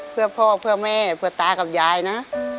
เพื่อพ่อเพื่อแม่เพื่อตากับยายนะ